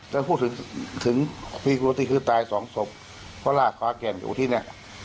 จะพูดถึงภีร์ปกติคือตายสองศพเพราะลากขวาแก่นอยู่ที่เนี่ย